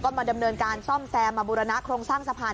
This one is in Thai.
มาดำเนินการซ่อมแซมมาบูรณะโครงสร้างสะพาน